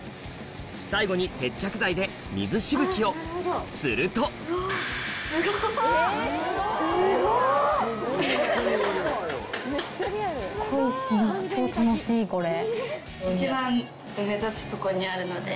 最後に接着剤で水しぶきをするとすごいし超楽しいこれ。